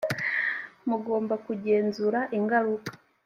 mugomba kugenzura ingaruka.